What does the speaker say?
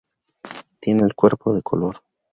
Tiene el cuerpo de color.